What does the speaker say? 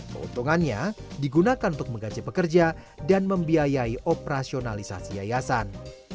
keuntungannya digunakan untuk menggaji pekerja dan membiayai operasionalisasi yayasan